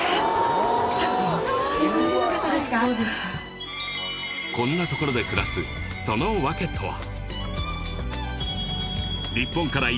はいそうですこんなところで暮らすその訳とは？